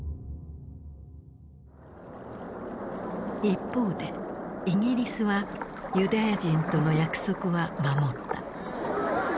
一方でイギリスはユダヤ人との約束は守った。